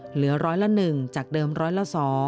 เหลือร้อยละ๑จากเดิมร้อยละ๒